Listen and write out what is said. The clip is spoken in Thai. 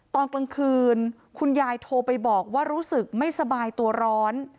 ตอนกลางคืนคุณยายโทรไปบอกว่ารู้สึกไม่สบายตัวร้อน